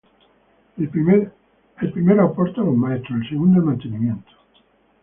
El primero aporta los maestros; el segundo, el mantenimiento.